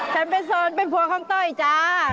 ฉันเป็นโซนเป็นผัวของต้อยจ้า